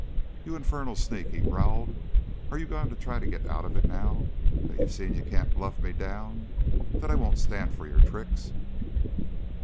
"You infernal sneak!" he growled. "Are you going to try to get out of it, now that you've seen you can't bluff me down that I won't stand for your tricks?"